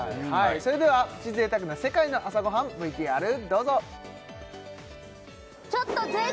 それではプチ贅沢な世界の朝ごはんＶＴＲどうぞ！